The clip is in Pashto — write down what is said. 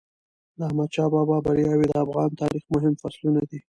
د احمدشاه بابا بریاوي د افغان تاریخ مهم فصلونه دي.